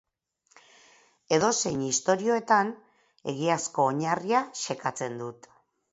Edozein ixtorioetan, egiazko oinarria xekatzen dut.